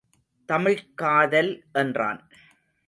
தமிழ்க் காதல் என்றான்.